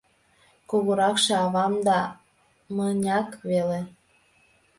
Кугуракше авам да мыняк веле.